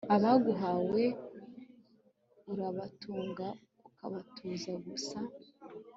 abaguhawe urabatunga ukabatoza gusa